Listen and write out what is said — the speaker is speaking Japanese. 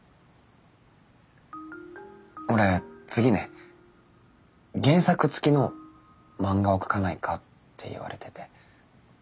俺次ね原作付きの漫画を描かないかって言われてて。